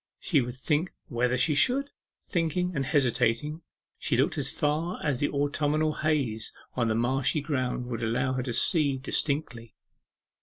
She would think whether she would. Thinking, and hesitating, she looked as far as the autumnal haze on the marshy ground would allow her to see distinctly.